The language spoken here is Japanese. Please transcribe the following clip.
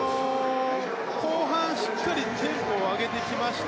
後半、しっかりテンポを上げてきました。